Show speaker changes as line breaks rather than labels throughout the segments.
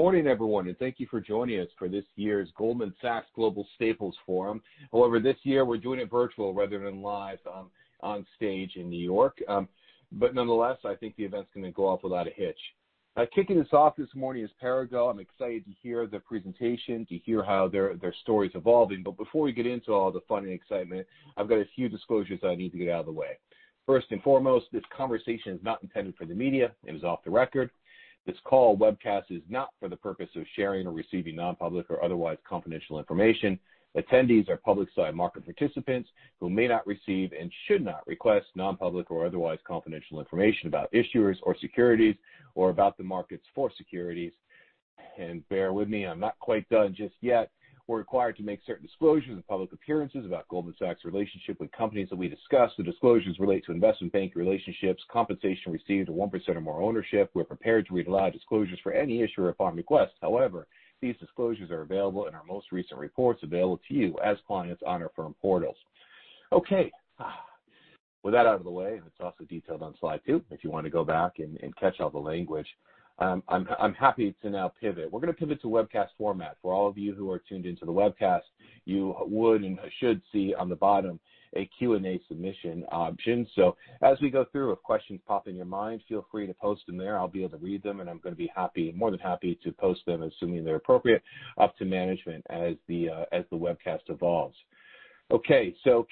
Morning everyone, thank you for joining us for this year's Goldman Sachs Global Staples Forum. This year we're doing it virtual rather than live on stage in New York. Nonetheless, I think the event's going to go off without a hitch. Kicking us off this morning is Perrigo. I'm excited to hear the presentation, to hear how their story's evolving. Before we get into all the fun and excitement, I've got a few disclosures I need to get out of the way. First and foremost, this conversation is not intended for the media and is off the record. This call webcast is not for the purpose of sharing or receiving non-public or otherwise confidential information. Attendees are public side market participants who may not receive and should not request non-public or otherwise confidential information about issuers or securities or about the markets for securities. Bear with me, I'm not quite done just yet. We're required to make certain disclosures and public appearances about Goldman Sachs' relationship with companies that we discuss. The disclosures relate to investment bank relationships, compensation received, and 1% or more ownership. We're prepared to read aloud disclosures for any issuer upon request. These disclosures are available in our most recent reports available to you as clients on our firm portals. Okay. With that out of the way, it's also detailed on slide two if you want to go back and catch all the language, I'm happy to now pivot. We're going to pivot to webcast format. For all of you who are tuned into the webcast, you would and should see on the bottom a Q&A submission option. As we go through, if questions pop in your mind, feel free to post them there. I'll be able to read them, and I'm going to be more than happy to post them, assuming they're appropriate, up to management as the webcast evolves.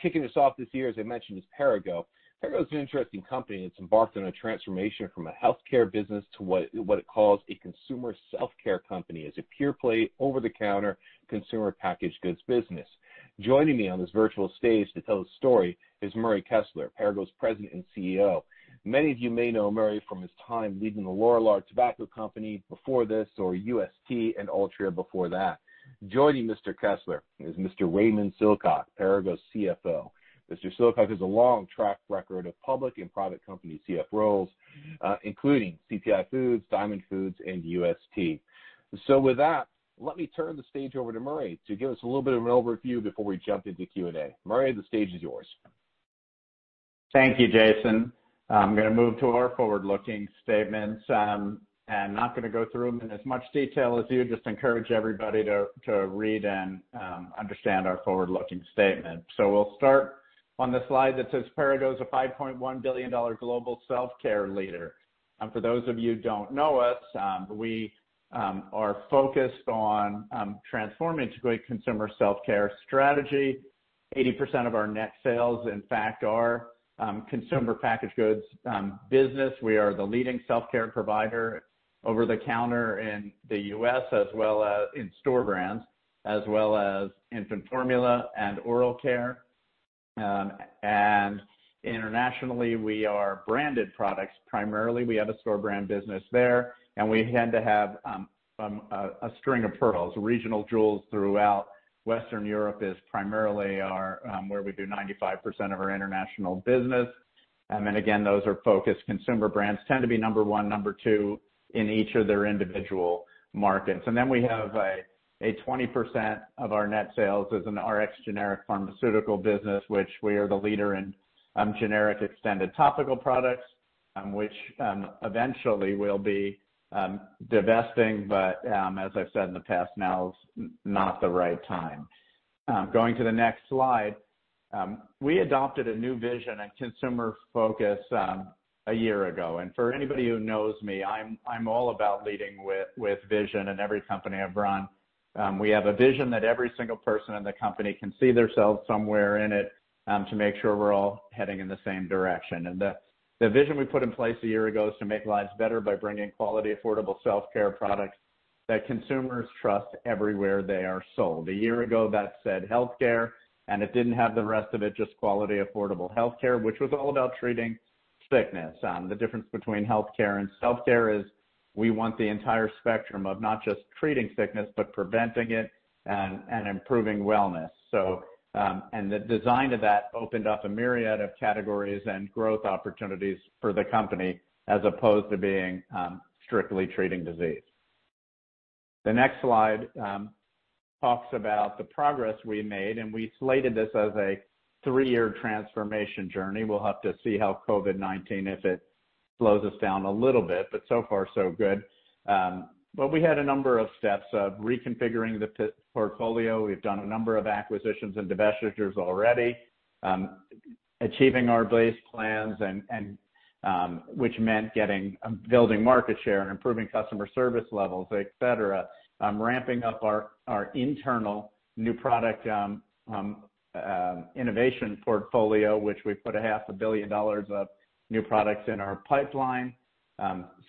Kicking us off this year, as I mentioned, is Perrigo. Perrigo is an interesting company. It's embarked on a transformation from a healthcare business to what it calls a Consumer Self-Care company as a pure play, over-the-counter, consumer packaged goods business. Joining me on this virtual stage to tell the story is Murray Kessler, Perrigo's President and CEO. Many of you may know Murray from his time leading the Lorillard Tobacco Company before this, or UST and Altria before that. Joining Mr. Kessler is Mr. Raymond Silcock, Perrigo's CFO. Mr. Silcock has a long track record of public and private company CFO roles, including CTI Foods, Diamond Foods, and UST. With that, let me turn the stage over to Murray to give us a little bit of an overview before we jump into Q&A. Murray, the stage is yours.
Thank you, Jason. I'm going to move to our forward-looking statements. I'm not going to go through them in as much detail as you. Encourage everybody to read and understand our forward-looking statement. We'll start on the slide that says Perrigo's a $5.1 billion global self-care leader. For those of you who don't know us, we are focused on transforming into a great consumer self-care strategy. 80% of our net sales, in fact, are consumer packaged goods business. We are the leading self-care provider over the counter in the U.S., as well as in store brands, as well as infant formula and oral care. Internationally, we are branded products primarily. We have a store brand business there and we tend to have a string of pearls. Regional jewels throughout Western Europe is primarily where we do 95% of our international business. Again, those are focused consumer brands, tend to be number one, number two in each of their individual markets. Then we have 20% of our net sales as an Rx generic pharmaceutical business, which we are the leader in generic extended topical products, which eventually we'll be divesting. As I've said in the past, now is not the right time. Going to the next slide. We adopted a new vision and consumer focus a year ago, and for anybody who knows me, I'm all about leading with vision in every company I've run. We have a vision that every single person in the company can see themselves somewhere in it, to make sure we're all heading in the same direction. The vision we put in place a year ago is to make lives better by bringing quality, affordable self-care products that consumers trust everywhere they are sold. A year ago, that said healthcare, and it didn't have the rest of it, just quality, affordable healthcare, which was all about treating sickness. The difference between healthcare and self-care is we want the entire spectrum of not just treating sickness, but preventing it and improving wellness. The design of that opened up a myriad of categories and growth opportunities for the company as opposed to being strictly treating disease. The next slide talks about the progress we made, and we slated this as a three-year transformation journey. We'll have to see how COVID-19, if it slows us down a little bit. So far so good. We had a number of steps of reconfiguring the portfolio. We've done a number of acquisitions and divestitures already. Achieving our base plans, which meant building market share and improving customer service levels, et cetera. Ramping up our internal new product innovation portfolio, which we put a half a billion dollars of new products in our pipeline.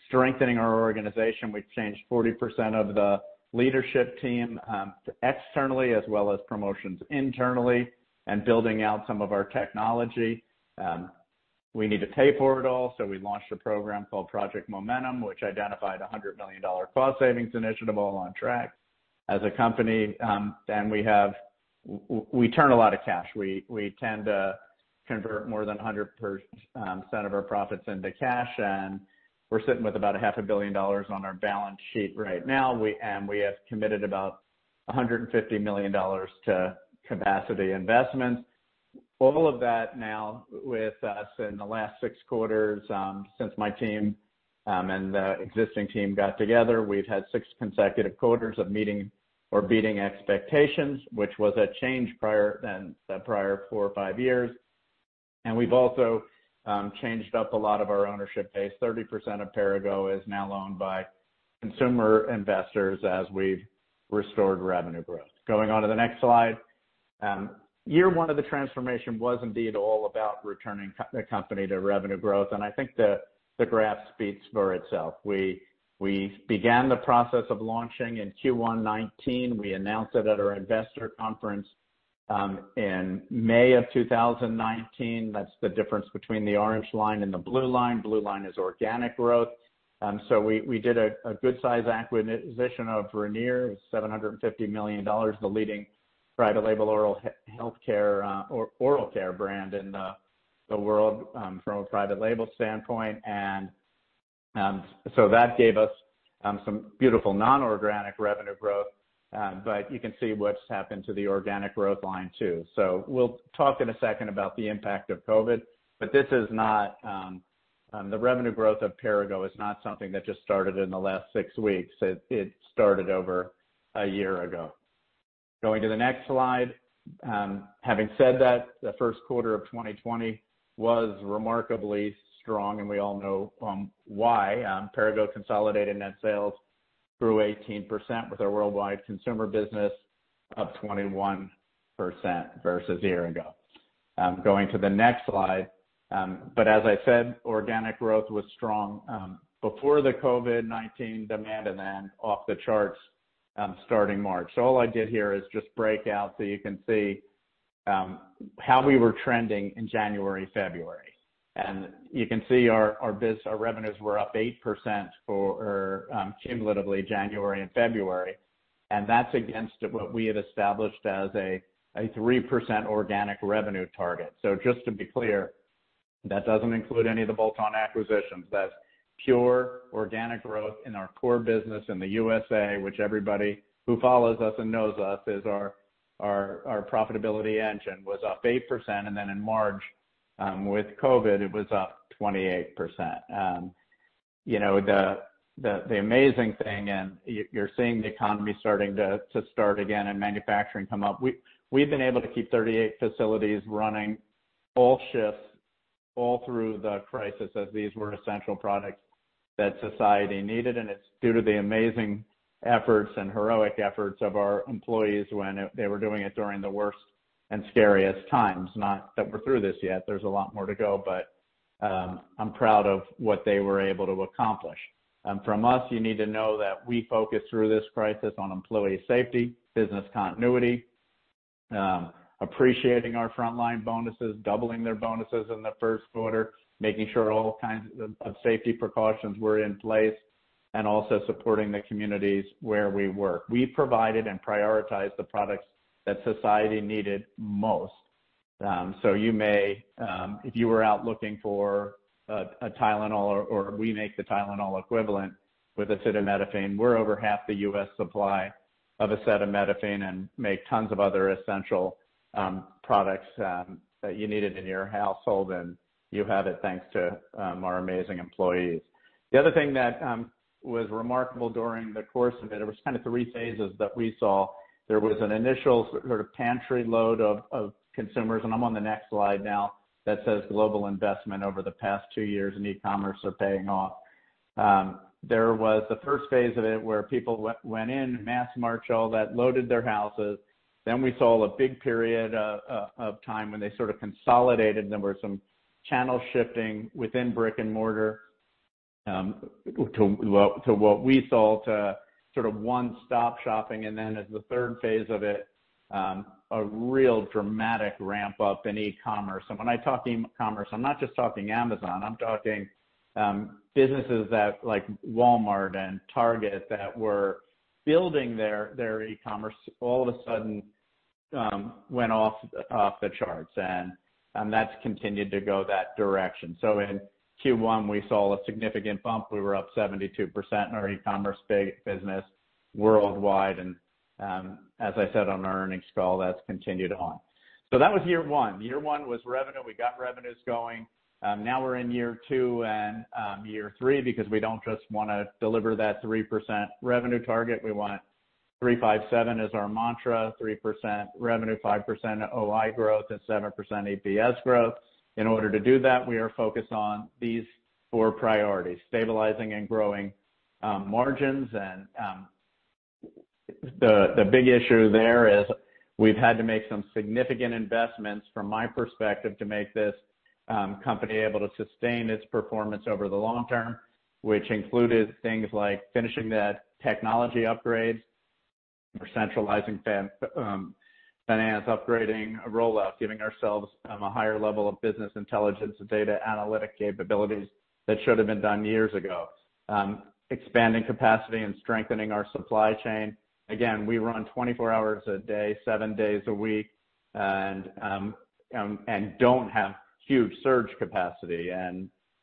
Strengthening our organization. We've changed 40% of the leadership team externally as well as promotions internally and building out some of our technology. We need to pay for it all, so we launched a program called Project Momentum, which identified a $100 million cost savings initiative, all on track. As a company, we turn a lot of cash. We tend to convert more than 100% of our profits into cash, and we're sitting with about a half a billion dollars on our balance sheet right now. We have committed about $150 million to capacity investments. All of that now with us in the last 6 quarters, since my team and the existing team got together, we've had 6 consecutive quarters of meeting or beating expectations, which was a change than the prior 4 or 5 years. We've also changed up a lot of our ownership base. 30% of Perrigo is now owned by consumer investors as we've restored revenue growth. Going on to the next slide. Year one of the transformation was indeed all about returning the company to revenue growth, and I think the graph speaks for itself. We began the process of launching in Q1 2019. We announced it at our investor conference in May 2019. That's the difference between the orange line and the blue line. Blue line is organic growth. We did a good size acquisition of Ranir, $750 million, the leading private label oral care brand in the world from a private label standpoint. That gave us some beautiful non-organic revenue growth. You can see what's happened to the organic growth line, too. We'll talk in a second about the impact of COVID, but the revenue growth of Perrigo is not something that just started in the last six weeks. It started over a year ago. Going to the next slide. Having said that, the first quarter of 2020 was remarkably strong, and we all know why. Perrigo consolidated net sales grew 18% with our worldwide consumer business up 21% versus a year ago. Going to the next slide. As I said, organic growth was strong before the COVID-19 demand and then off the charts starting March. All I did here is just break out so you can see how we were trending in January, February. You can see our revenues were up 8% cumulatively January and February, and that's against what we had established as a 3% organic revenue target. Just to be clear, that doesn't include any of the bolt-on acquisitions. That's pure organic growth in our core business in the U.S., which everybody who follows us and knows us is our profitability engine, was up 8%. In March, with COVID, it was up 28%. The amazing thing, you're seeing the economy starting to start again and manufacturing come up. We've been able to keep 38 facilities running all shifts, all through the crisis, as these were essential products that society needed. It's due to the amazing efforts and heroic efforts of our employees when they were doing it during the worst and scariest times. Not that we're through this yet, there's a lot more to go, but I'm proud of what they were able to accomplish. From us, you need to know that we focused through this crisis on employee safety, business continuity, appreciating our frontline bonuses, doubling their bonuses in the first quarter, making sure all kinds of safety precautions were in place, and also supporting the communities where we work. We provided and prioritized the products that society needed most. If you were out looking for a TYLENOL, or we make the TYLENOL equivalent with acetaminophen. We're over half the U.S. supply of acetaminophen and make tons of other essential products that you needed in your household, and you have it thanks to our amazing employees. The other thing that was remarkable during the course of it was kind of three phases that we saw. There was an initial sort of pantry load of consumers, and I'm on the next slide now that says global investment over the past two years in e-commerce are paying off. There was the first phase of it where people went in mass March, all that, loaded their houses. We saw a big period of time when they sort of consolidated. There were some channel shifting within brick and mortar, to what we saw to sort of one-stop shopping, and then as the third phase of it, a real dramatic ramp-up in e-commerce. When I talk e-commerce, I'm not just talking Amazon. I'm talking businesses like Walmart and Target that were building their e-commerce, all of a sudden went off the charts. That's continued to go that direction. In Q1, we saw a significant bump. We were up 72% in our e-commerce business worldwide. As I said on our earnings call, that's continued on. That was year one. Year one was revenue. We got revenues going. Now we're in year two and year three because we don't just want to deliver that 3% revenue target. We want 357 as our mantra, 3% revenue, 5% OI growth, and 7% EPS growth. In order to do that, we are focused on these four priorities, stabilizing and growing margins. The big issue there is we've had to make some significant investments, from my perspective, to make this company able to sustain its performance over the long term, which included things like finishing the technology upgrades. We're centralizing finance, upgrading a rollout, giving ourselves a higher level of business intelligence and data analytic capabilities that should have been done years ago. Expanding capacity and strengthening our supply chain. Again, we run 24 hours a day, 7 days a week, and don't have huge surge capacity.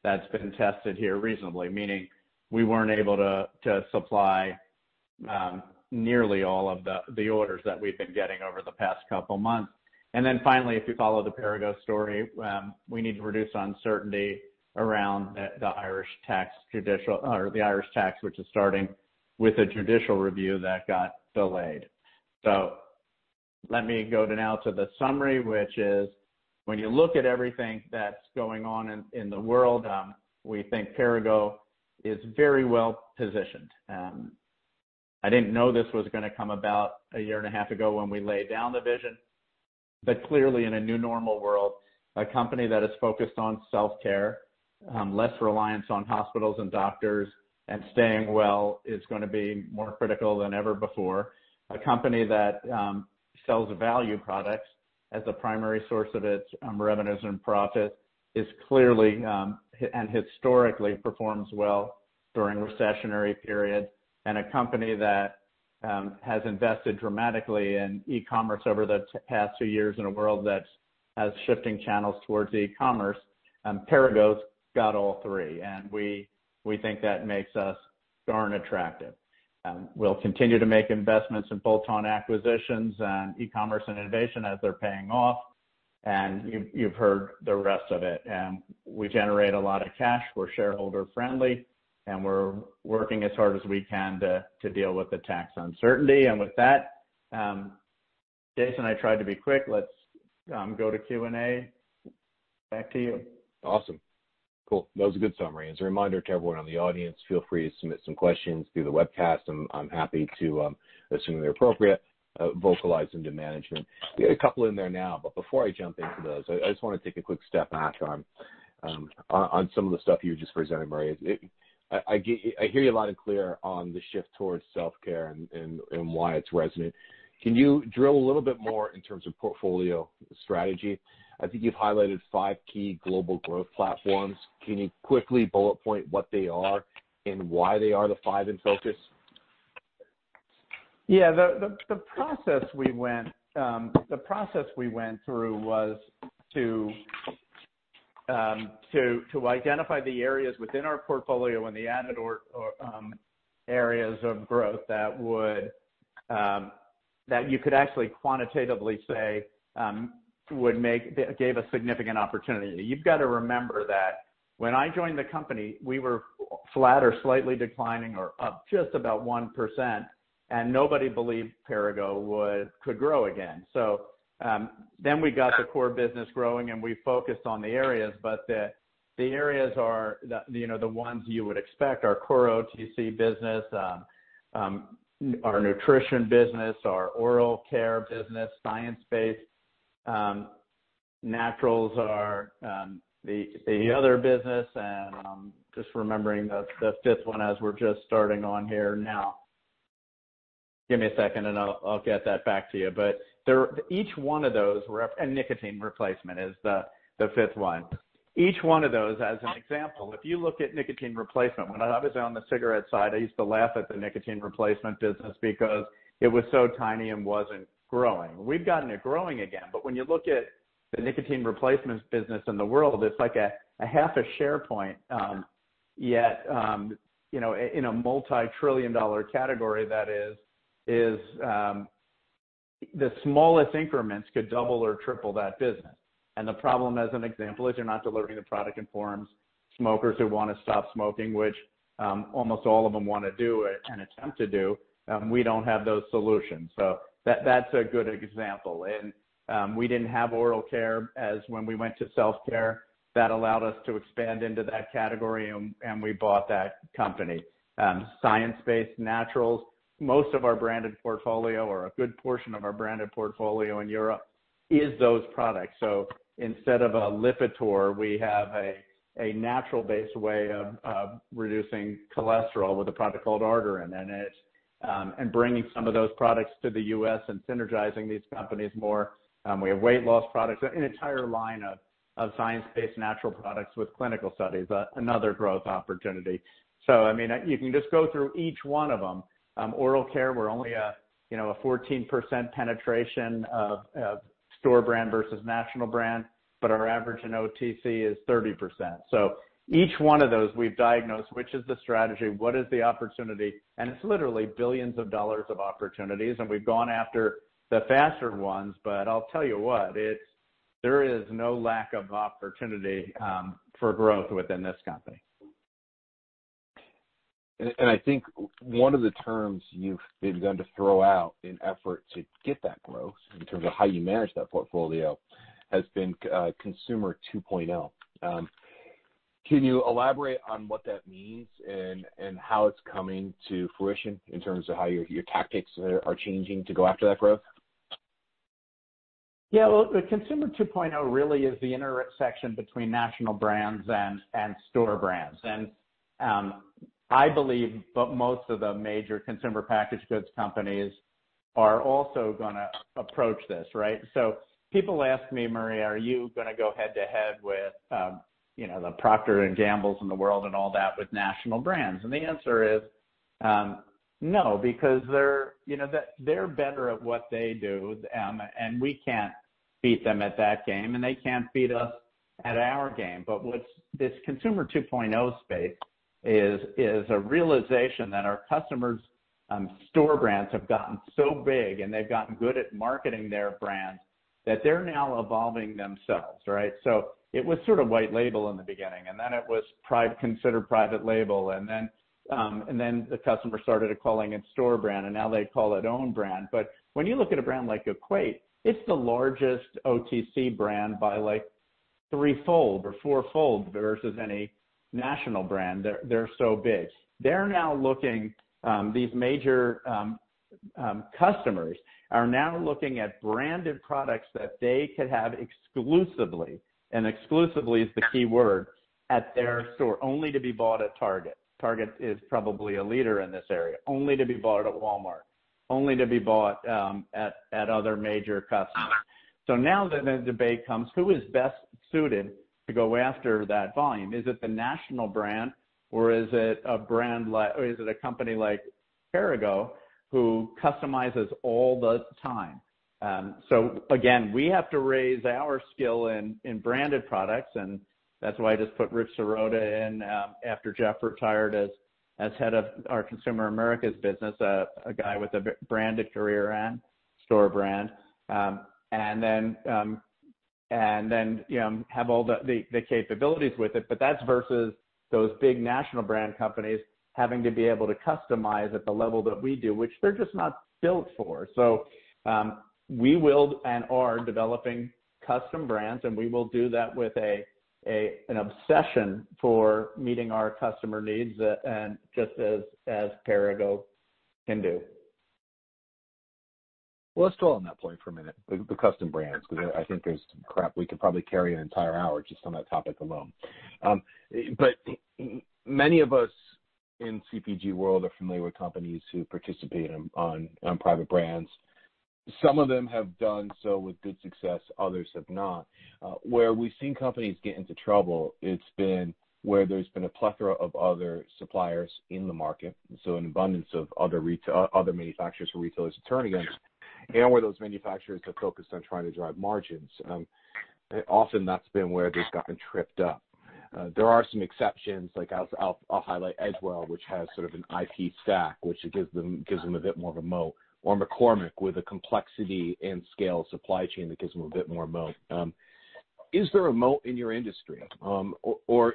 That's been tested here reasonably, meaning we weren't able to supply nearly all of the orders that we've been getting over the past couple of months. Then finally, if you follow the Perrigo story, we need to reduce uncertainty around the Irish tax, which is starting with a judicial review that got delayed. Let me go now to the summary, which is, when you look at everything that's going on in the world, we think Perrigo is very well-positioned. I didn't know this was going to come about a year and a half ago when we laid down the vision. Clearly, in a new normal world, a company that is focused on self-care, less reliance on hospitals and doctors, and staying well is going to be more critical than ever before. A company that sells value products as a primary source of its revenues and profit, is clearly and historically performs well during recessionary periods. A company that has invested dramatically in e-commerce over the past two years in a world that has shifting channels towards e-commerce. Perrigo's got all three, and we think that makes us darn attractive. We'll continue to make investments in bolt-on acquisitions and e-commerce and innovation as they're paying off. You've heard the rest of it. We generate a lot of cash. We're shareholder-friendly, and we're working as hard as we can to deal with the tax uncertainty. With that, Jason, I tried to be quick. Let's go to Q&A. Back to you.
Awesome. Cool. That was a good summary. As a reminder to everyone in the audience, feel free to submit some questions through the webcast. I'm happy to, assuming they're appropriate, vocalize them to management. We got a couple in there now. Before I jump into those, I just want to take a quick step back on some of the stuff you were just presenting, Murray. I hear you loud and clear on the shift towards self-care and why it's resonant. Can you drill a little bit more in terms of portfolio strategy? I think you've highlighted five key global growth platforms. Can you quickly bullet point what they are and why they are the five in focus?
The process we went through was to identify the areas within our portfolio and the added areas of growth that you could actually quantitatively say gave a significant opportunity. You've got to remember that when I joined the company, we were flat or slightly declining, or up just about 1%, and nobody believed Perrigo could grow again. Then we got the core business growing, and we focused on the areas, but the areas are the ones you would expect. Our core OTC business, our nutrition business, our oral care business, science-based naturals are the other business, and I'm just remembering the fifth one as we're just starting on here now. Give me a second, and I'll get that back to you. Nicotine replacement is the fifth one. Each one of those, as an example, if you look at nicotine replacement, when I was on the cigarette side, I used to laugh at the nicotine replacement business because it was so tiny and wasn't growing. We've gotten it growing again, but when you look at the nicotine replacements business in the world, it's like a half a share point. Yet, in a multi-trillion-dollar category that is, the smallest increments could double or triple that business. The problem, as an example, is you're not delivering the product in forms smokers who want to stop smoking, which almost all of them want to do and attempt to do, we don't have those solutions. That's a good example. We didn't have oral care when we went to self-care. That allowed us to expand into that category, and we bought that company. Science-based naturals, most of our branded portfolio or a good portion of our branded portfolio in Europe is those products. Instead of a LIPITOR, we have a natural-based way of reducing cholesterol with a product called Arterin. Bringing some of those products to the U.S. and synergizing these companies more. We have weight loss products, an entire line of science-based natural products with clinical studies, another growth opportunity. You can just go through each one of them. Oral care, we're only a 14% penetration of store brand versus national brand, but our average in OTC is 30%. Each one of those we've diagnosed, which is the strategy, what is the opportunity? It's literally billions of dollars of opportunities, and we've gone after the faster ones, but I'll tell you what, there is no lack of opportunity for growth within this company.
I think one of the terms you've begun to throw out in effort to get that growth, in terms of how you manage that portfolio, has been Consumer 2.0. Can you elaborate on what that means and how it's coming to fruition in terms of how your tactics are changing to go after that growth?
Yeah. Well, the Consumer 2.0 really is the intersection between national brands and store brands. I believe most of the major consumer packaged goods companies are also going to approach this, right? People ask me, "Murray, are you going to go head-to-head with the Procter & Gamble in the world and all that with national brands?" The answer is no, because they're better at what they do, and we can't beat them at that game, and they can't beat us at our game. What this Consumer 2.0 space is a realization that our customers' store brands have gotten so big, and they've gotten good at marketing their brands that they're now evolving themselves. It was sort of white label in the beginning, and then it was considered private label. Then the customer started calling it store brand, and now they call it own brand. When you look at a brand like Equate, it's the largest OTC brand by threefold or fourfold versus any national brand. They're so big. These major customers are now looking at branded products that they could have exclusively, and exclusively is the key word, at their store, only to be bought at Target. Target is probably a leader in this area. Only to be bought at Walmart. Only to be bought at other major customers. Now then the debate comes, who is best suited to go after that volume? Is it the national brand, or is it a company like Perrigo who customizes all the time? Again, we have to raise our skill in branded products, and that's why I just put Rich Sorota in after Jeff retired as head of our Consumer Americas business, a guy with a branded career in store brand. Then have all the capabilities with it. That's versus those big national brand companies having to be able to customize at the level that we do, which they're just not built for. We will and are developing custom brands, and we will do that with an obsession for meeting our customer needs and just as Perrigo can do.
Well, let's dwell on that point for a minute, the custom brands, because I think we could probably carry an entire hour just on that topic alone. Many of us in CPG world are familiar with companies who participate on private brands. Some of them have done so with good success, others have not. Where we've seen companies get into trouble, it's been where there's been a plethora of other suppliers in the market, so an abundance of other manufacturers who retailers are turning against, and where those manufacturers have focused on trying to drive margins. Often that's been where they've gotten tripped up. There are some exceptions. I'll highlight Edgewell, which has sort of an IP stack, which gives them a bit more of a moat, or McCormick with a complexity and scale supply chain that gives them a bit more moat. Is there a moat in your industry?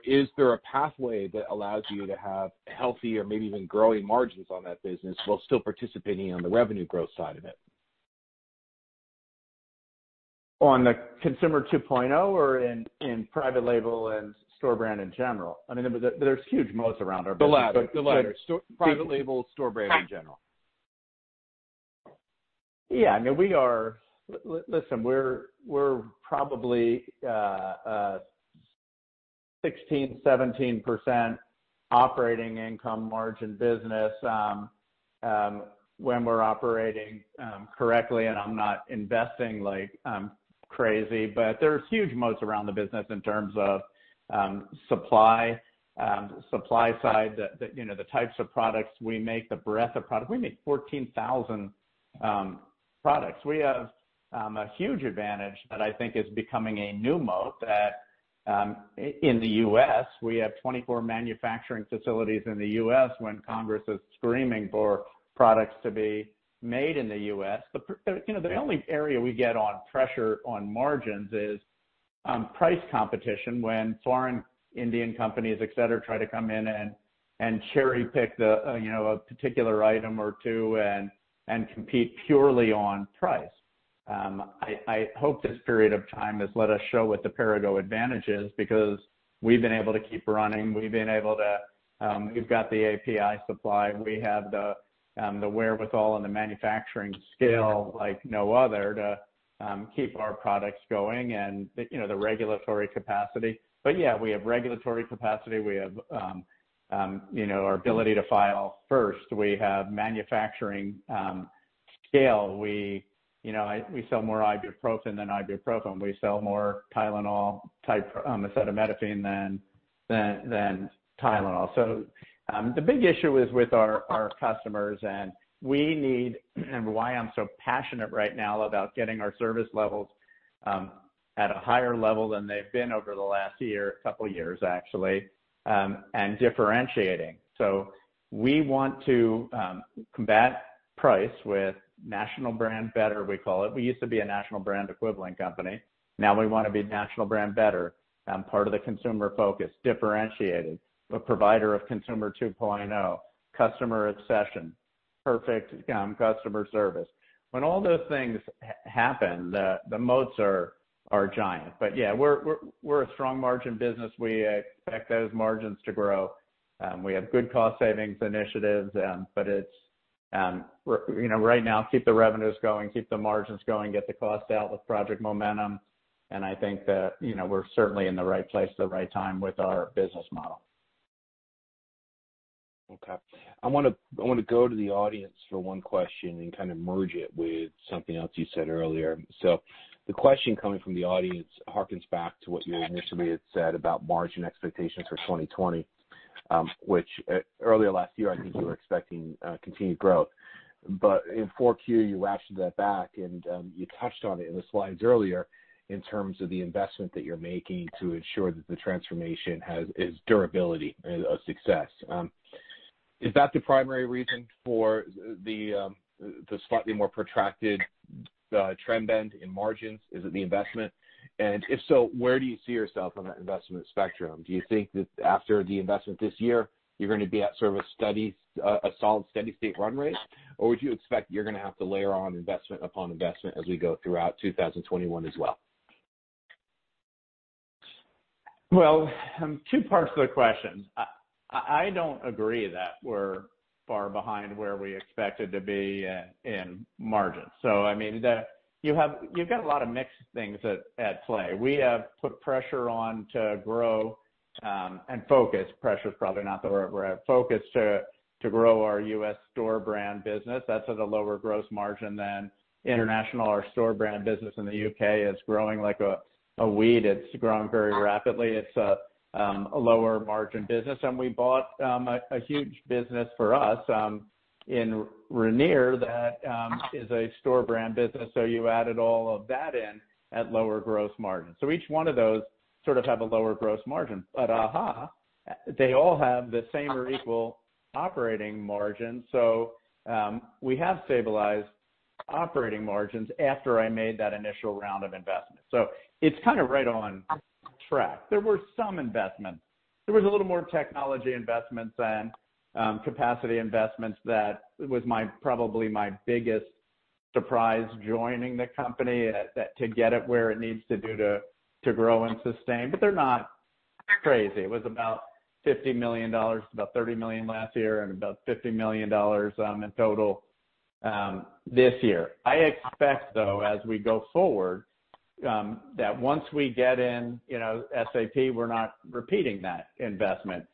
Is there a pathway that allows you to have healthy or maybe even growing margins on that business while still participating on the revenue growth side of it?
On the Consumer 2.0 or in private label and store brand in general? There's huge moats around our business.
The latter. Private label, store brand in general.
Yeah. Listen, we're probably 16%, 17% operating income margin business, when we're operating correctly and I'm not investing like crazy. There's huge moats around the business in terms of supply side, the types of products we make, the breadth of product. We make 14,000 products. We have a huge advantage that I think is becoming a new moat that in the U.S., we have 24 manufacturing facilities in the U.S. when Congress is screaming for products to be made in the U.S. The only area we get on pressure on margins is price competition when foreign Indian companies, et cetera, try to come in and cherry-pick a particular item or two and compete purely on price. I hope this period of time has let us show what the Perrigo advantage is because we've been able to keep running. We've got the API supply. We have the wherewithal and the manufacturing scale like no other to keep our products going and the regulatory capacity. Yeah, we have regulatory capacity. We have our ability to file first. We have manufacturing scale. We sell more ibuprofen than ibuprofen. We sell more acetaminophen than TYLENOL. The big issue is with our customers and why I'm so passionate right now about getting our service levels at a higher level than they've been over the last year, couple years actually, and differentiating. We want to combat price with national brand better, we call it. We used to be a national brand equivalent company. Now we want to be national brand better. Part of the Consumer 2.0 focus, differentiated. A provider of Consumer 2.0. Customer obsession. Perfect customer service. When all those things happen, the moats are giant. Yeah, we're a strong margin business. We expect those margins to grow. We have good cost savings initiatives. Right now, keep the revenues going, keep the margins going, get the costs out with Project Momentum, and I think that we're certainly in the right place at the right time with our business model.
Okay. I want to go to the audience for one question and kind of merge it with something else you said earlier. The question coming from the audience hearkens back to what you initially had said about margin expectations for 2020. Which earlier last year, I think you were expecting continued growth. In 4Q, you ratcheted that back, and you touched on it in the slides earlier in terms of the investment that you're making to ensure that the transformation has durability of success. Is that the primary reason for the slightly more protracted trend bend in margins? Is it the investment? If so, where do you see yourself on that investment spectrum? Do you think that after the investment this year, you're going to be at a solid, steady state run rate? Would you expect you're going to have to layer on investment upon investment as we go throughout 2021 as well?
Well, two parts to the question. I don't agree that we're far behind where we expected to be in margins. I mean, you've got a lot of mixed things at play. We have put pressure on to grow and focus. Pressure's probably not the word we're at. Focus to grow our U.S. store brand business. That's at a lower gross margin than international. Our store brand business in the U.K. is growing like a weed. It's growing very rapidly. It's a lower margin business. We bought a huge business for us in Ranir that is a store brand business, so you added all of that in at lower gross margins. Each one of those sort of have a lower gross margin. They all have the same or equal operating margin. We have stabilized operating margins after I made that initial round of investments. It's kind of right on track. There were some investments. There was a little more technology investments and capacity investments. That was probably my biggest surprise joining the company, to get it where it needs to do to grow and sustain. They're not crazy. It was about $50 million, about $30 million last year and about $50 million in total this year. I expect, though, as we go forward, that once we get in SAP, we're not repeating that investment.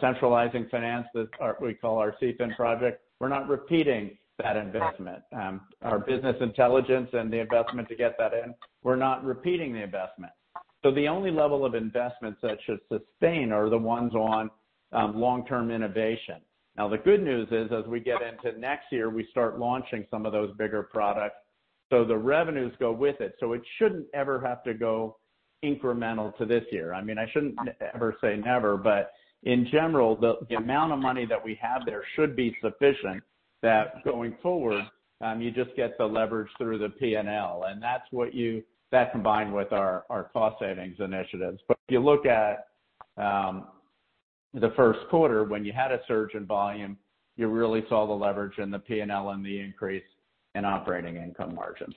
Centralizing finance, what we call our CFIN project, we're not repeating that investment. Our business intelligence and the investment to get that in, we're not repeating the investment. The only level of investments that should sustain are the ones on long-term innovation. The good news is, as we get into next year, we start launching some of those bigger products, the revenues go with it. It shouldn't ever have to go incremental to this year. I mean, I shouldn't ever say never, but in general, the amount of money that we have there should be sufficient that going forward, you just get the leverage through the P&L. That combined with our cost savings initiatives. If you look at the first quarter when you had a surge in volume, you really saw the leverage in the P&L and the increase in operating income margins.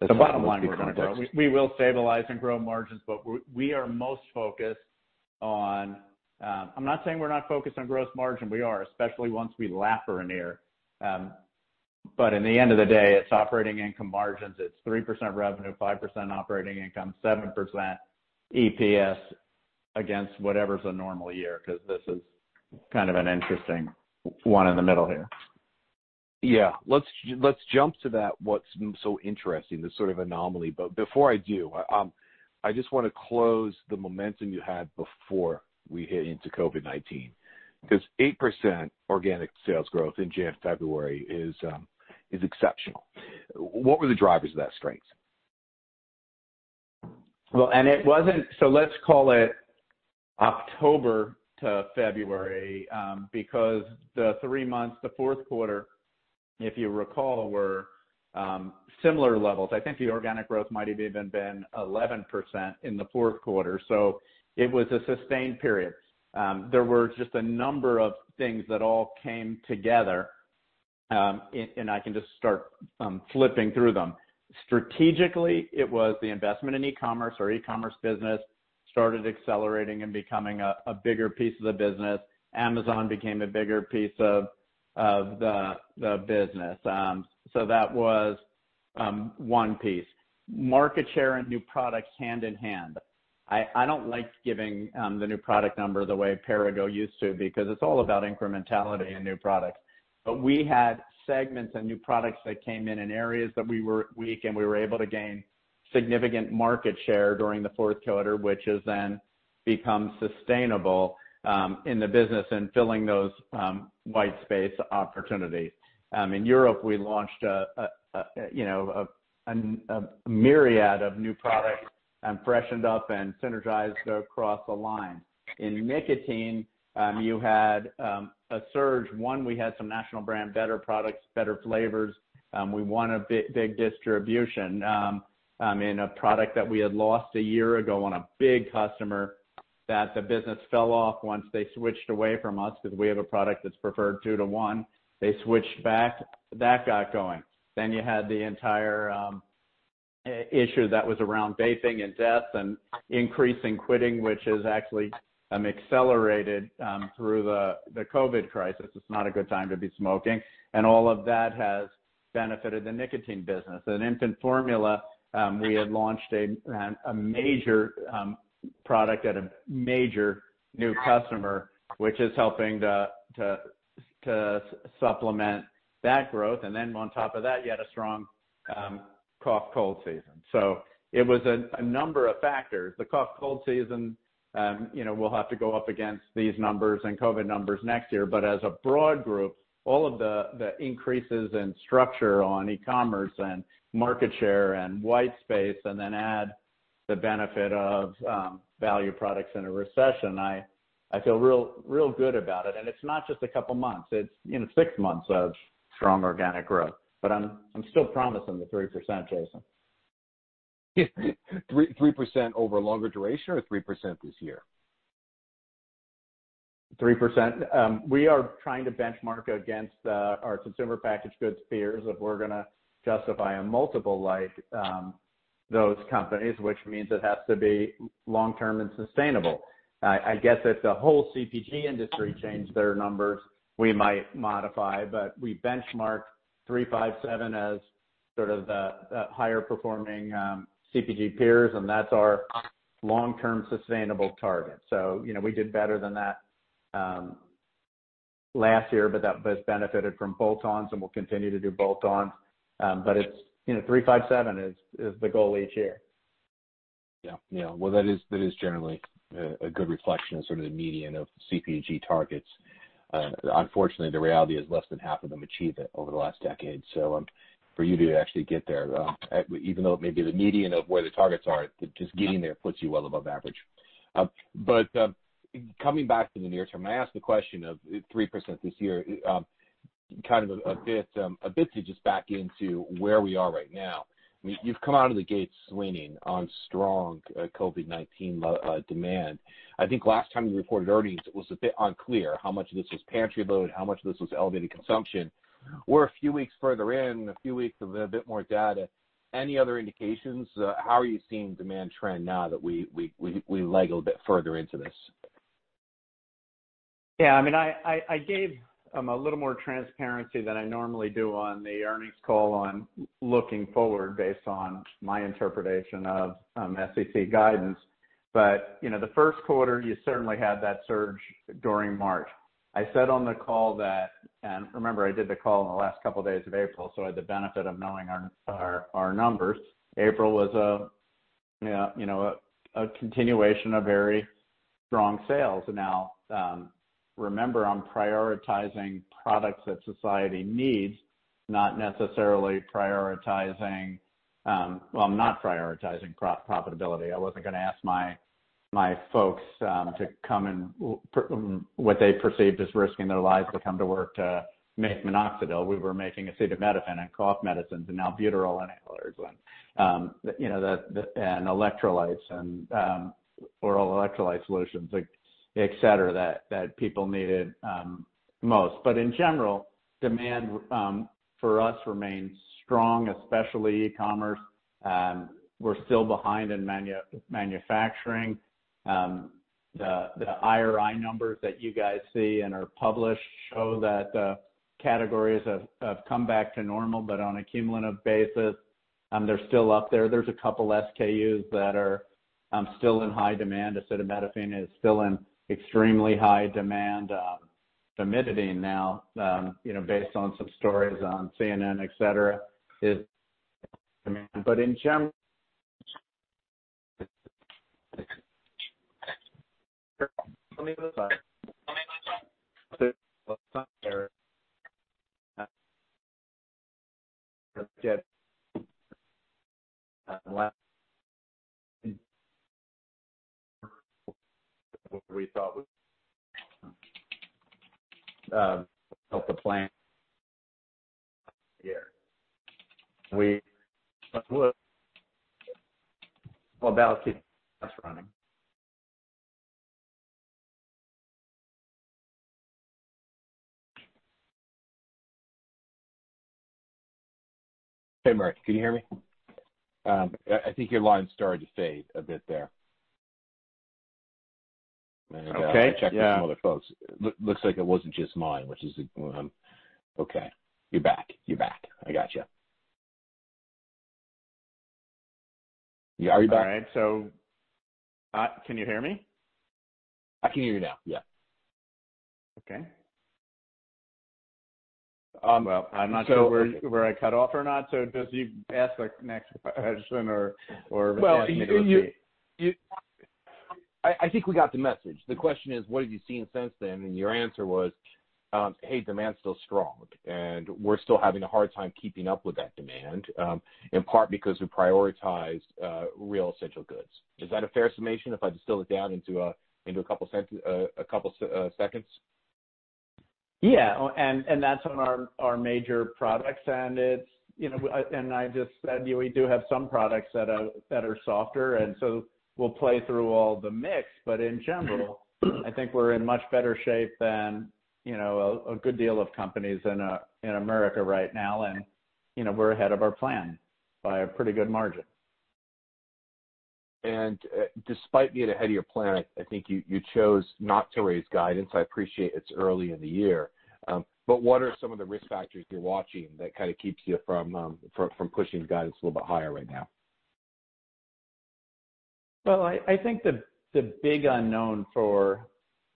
That's helpful.
The bottom line we're going to grow. We will stabilize and grow margins, but we are most focused on I'm not saying we're not focused on gross margin, we are. Especially once we lap Ranir. In the end of the day, it's operating income margins. It's 3% revenue, 5% operating income, 7% EPS against whatever's a normal year, because this is kind of an interesting one in the middle here.
Yeah. Let's jump to that, what's so interesting, this sort of anomaly. Before I do, I just want to close the momentum you had before we hit into COVID-19, because 8% organic sales growth in January, February is exceptional. What were the drivers of that strength?
Well, let's call it October to February, because the three months, the fourth quarter, if you recall, were similar levels. I think the organic growth might have even been 11% in the fourth quarter. It was a sustained period. There were just a number of things that all came together, and I can just start flipping through them. Strategically, it was the investment in e-commerce. Our e-commerce business started accelerating and becoming a bigger piece of the business. Amazon became a bigger piece of the business. That was one piece. Market share and new products hand in hand. I don't like giving the new product number the way Perrigo used to, because it's all about incrementality and new products. We had segments and new products that came in areas that we were weak, and we were able to gain significant market share during the fourth quarter, which has then become sustainable in the business in filling those white space opportunities. In Europe, we launched a myriad of new products and freshened up and synergized across the line. In nicotine, you had a surge. One, we had some national brand, better products, better flavors. We won a big distribution in a product that we had lost a year ago on a big customer, that the business fell off once they switched away from us because we have a product that's preferred 2 to 1. They switched back. That got going. You had the entire issue that was around vaping and death and increase in quitting, which has actually accelerated through the COVID-19 crisis. It's not a good time to be smoking. All of that has benefited the nicotine business. In infant formula, we had launched a major product at a major new customer, which is helping to supplement that growth. On top of that, you had a strong cough cold season. It was a number of factors. The cough cold season will have to go up against these numbers and COVID numbers next year. As a broad group, all of the increases in structure on e-commerce and market share and white space, add the benefit of value products in a recession, I feel real good about it. It's not just a couple of months, it's six months of strong organic growth. I'm still promising the 3%, Jason.
3% over a longer duration or 3% this year?
3%. We are trying to benchmark against our consumer packaged goods peers, if we're going to justify a multiple like those companies, which means it has to be long-term and sustainable. I guess if the whole CPG industry changed their numbers, we might modify. We benchmark 357 as sort of the higher performing CPG peers. That's our long-term sustainable target. We did better than that last year. That both benefited from bolt-ons and we'll continue to do bolt-ons. 357 is the goal each year.
Well, that is generally a good reflection of sort of the median of CPG targets. Unfortunately, the reality is less than half of them achieved it over the last decade. For you to actually get there, even though it may be the median of where the targets are, just getting there puts you well above average. Coming back to the near term, I ask the question of 3% this year, kind of a bit to just back into where we are right now. You've come out of the gates swinging on strong COVID-19 demand. I think last time you reported earnings, it was a bit unclear how much of this was pantry load, how much of this was elevated consumption. We're a few weeks further in, a few weeks of a bit more data. Any other indications? How are you seeing demand trend now that we leg a bit further into this?
Yeah, I gave a little more transparency than I normally do on the earnings call on looking forward based on my interpretation of SEC guidance. The first quarter, you certainly had that surge during March. I said on the call that, and remember, I did the call in the last couple of days of April, so I had the benefit of knowing our numbers. April was a continuation of very strong sales. Now, remember, I'm prioritizing products that society needs, not necessarily prioritizing Well, I'm not prioritizing profitability. I wasn't going to ask my folks to come, and what they perceived as risking their lives to come to work to make minoxidil. We were making acetaminophen and cough medicines and albuterol inhalers and electrolytes and oral electrolyte solutions, et cetera, that people needed most. In general, demand for us remains strong, especially e-commerce. We're still behind in manufacturing. The IRI numbers that you guys see and are published show that the categories have come back to normal, but on a cumulative basis, they're still up there. There's a couple SKUs that are still in high demand. acetaminophen is still in extremely high demand. famotidine now, based on some stories on CNN, et cetera, is in demand. In general, we thought of the plan here. We well balanced, us running.
Hey, Murray, can you hear me? I think your line started to fade a bit there.
Okay, yeah.
I checked with some other folks. Looks like it wasn't just mine, which is Okay, you're back. I got you. Are you back?
All right, can you hear me?
I can hear you now, yeah.
Okay. Well, I'm not sure where I cut off or not, so just you ask the next question or if it's okay to proceed.
Well, I think we got the message. The question is, what have you seen since then? Your answer was, "Hey, demand's still strong, and we're still having a hard time keeping up with that demand, in part because we prioritize real essential goods." Is that a fair summation if I distill it down into a couple seconds?
That's on our major products, and I just said, we do have some products that are softer, and so we'll play through all the mix. In general, I think we're in much better shape than a good deal of companies in America right now, and we're ahead of our plan by a pretty good margin.
Despite being ahead of your plan, I think you chose not to raise guidance. I appreciate it's early in the year. What are some of the risk factors you're watching that kind of keeps you from pushing guidance a little bit higher right now?
Well, I think the big unknown for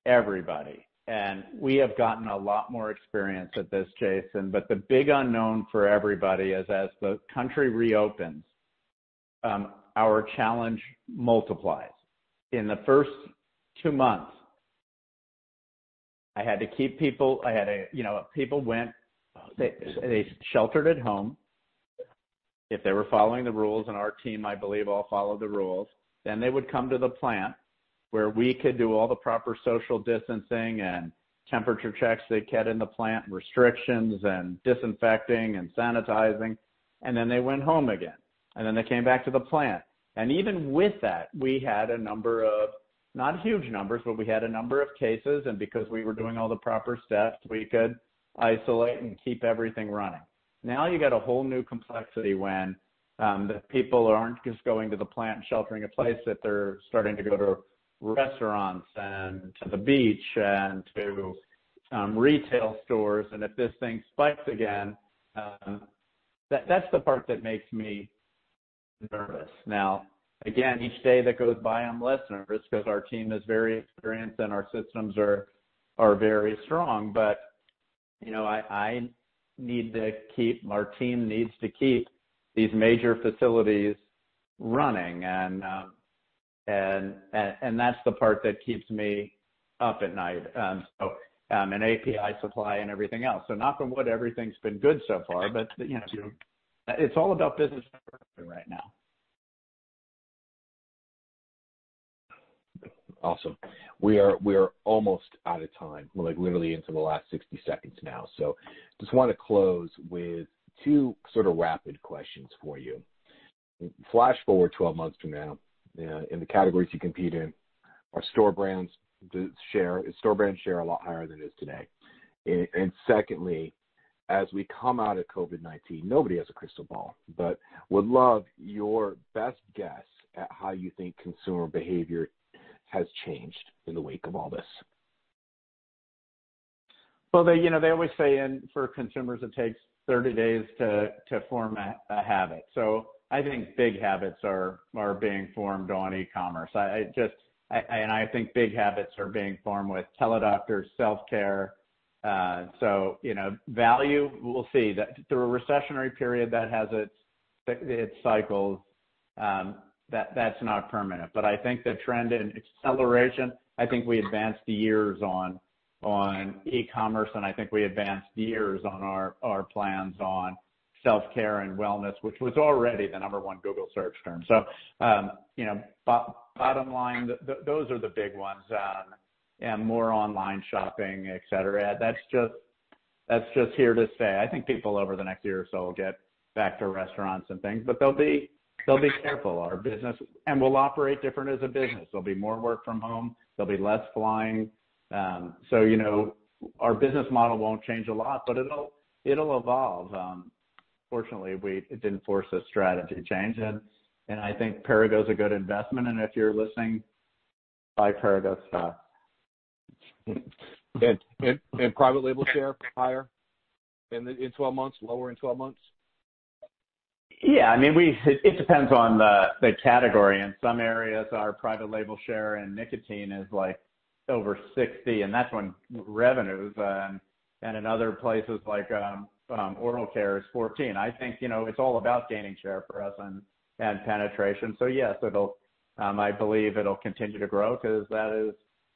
everybody, and we have gotten a lot more experience at this, Jason, but the big unknown for everybody is as the country reopens, our challenge multiplies. In the first two months, people sheltered at home, if they were following the rules, and our team, I believe, all followed the rules. They would come to the plant where we could do all the proper social distancing and temperature checks they get in the plant, restrictions and disinfecting and sanitizing, and then they went home again. They came back to the plant. Even with that, we had a number of, not huge numbers, but we had a number of cases, and because we were doing all the proper steps, we could isolate and keep everything running. You got a whole new complexity when the people aren't just going to the plant and sheltering in place, that they're starting to go to restaurants and to the beach and to retail stores. If this thing spikes again, that's the part that makes me nervous. Again, each day that goes by, I'm less nervous because our team is very experienced and our systems are very strong. Our team needs to keep these major facilities running, and that's the part that keeps me up at night, API supply and everything else. Knock on wood, everything's been good so far. It's all about business right now.
Awesome. We are almost out of time. We're literally into the last 60 seconds now. Just want to close with two sort of rapid questions for you. Flash forward 12 months from now, in the categories you compete in, is store brand share a lot higher than it is today? Secondly, as we come out of COVID-19, nobody has a crystal ball, but would love your best guess at how you think consumer behavior has changed in the wake of all this.
Well, they always say for consumers it takes 30 days to form a habit. I think big habits are being formed on e-commerce. I think big habits are being formed with teledoctors, self-care. Value, we'll see. Through a recessionary period, that has its cycles. That's not permanent. I think the trend in acceleration, I think we advanced years on e-commerce, and I think we advanced years on our plans on self-care and wellness, which was already the number one Google Search term. Bottom line, those are the big ones. More online shopping, et cetera. That's just here to stay. I think people over the next year or so will get back to restaurants and things, but they'll be careful. We'll operate different as a business. There'll be more work from home, there'll be less flying. Our business model won't change a lot, but it'll evolve. Fortunately, it didn't force a strategy change. I think Perrigo is a good investment, and if you're listening, buy Perrigo stock.
Private label share higher in 12 months, lower in 12 months?
Yeah. It depends on the category. In some areas, our private label share in nicotine is over 60, and that's on revenues. In other places oral care is 14. I think it's all about gaining share for us and penetration. Yes, I believe it'll continue to grow because that is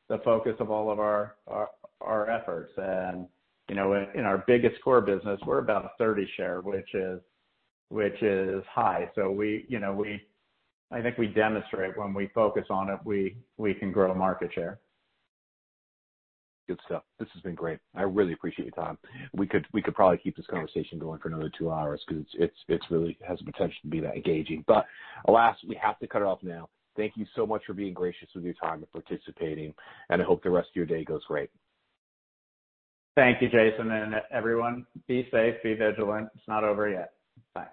the focus of all of our efforts. In our biggest core business, we're about a 30 share, which is high. I think we demonstrate when we focus on it, we can grow market share.
Good stuff. This has been great. I really appreciate your time. We could probably keep this conversation going for another two hours because it really has the potential to be that engaging. Alas, we have to cut it off now. Thank you so much for being gracious with your time and participating, and I hope the rest of your day goes great.
Thank you, Jason, and everyone. Be safe, be vigilant. It's not over yet. Bye